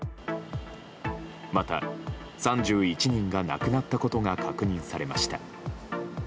また３１人が亡くなったことが確認されました。